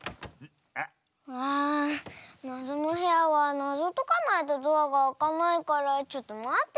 あなぞのへやはなぞをとかないとドアがあかないからちょっとまってて。